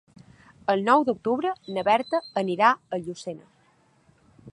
El nou d'octubre na Berta anirà a Llucena.